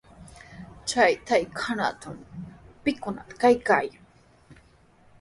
Chay trakratraw, ¿pikunataq kaykaayan?